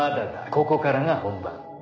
ここからが本番。